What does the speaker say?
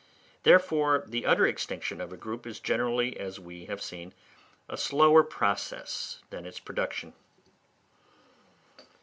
Therefore, the utter extinction of a group is generally, as we have seen, a slower process than its production.